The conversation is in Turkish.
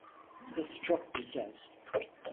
Kız çok güzel.